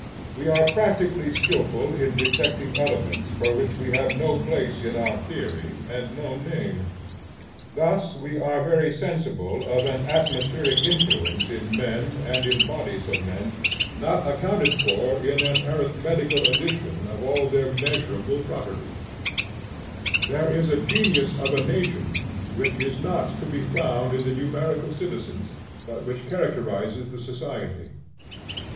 We are practically skilful in detecting elements for which we have no place in our theory, and no name. Thus we are very sensible of an atmospheric influence in men and in bodies of men, not accounted for in an arithmetical addition of all their measurable properties. There is a genius of a nation, which is not to be found in the numerical citizens, but which characterizes the society.